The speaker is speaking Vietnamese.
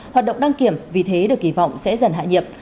hoạt động đăng kiểm vì thế được kỳ vọng sẽ dần hại nhiệm